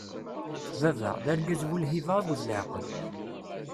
Baba, d argaz bu-lhiba akked laɛqel.